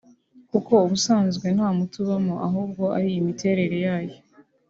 kuko ubusanzwe nta muti ubamo ahubwo ari imiterere yayo